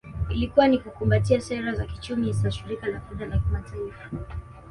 Ilikuwa ni kukumbatia sera za kiuchumi za Shirika la Fedha la Kimataifa